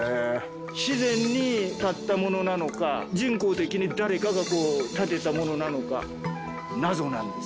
自然に立ったものなのか人工的に誰かが立てたものなのか謎なんです。